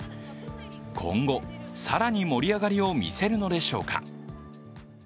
今後、更に盛り上がりを見せるのでしょうか。